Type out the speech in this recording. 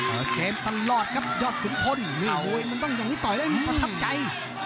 เออเกมตลอดครับยอดขุนพลมือมูยมันต้องอย่างนี้ต่อยเลยมันก็ทับใจ